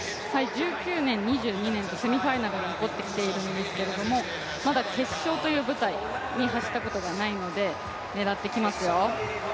１９年、２２年とセミファイナルに残ってきているんですけど、まだ決勝という舞台に走ったことがないので狙ってきますよ。